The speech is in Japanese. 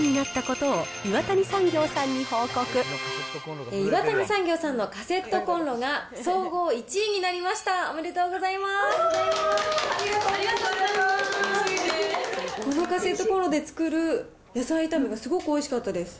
このカセットコンロで作る野菜炒めがすごくおいしかったです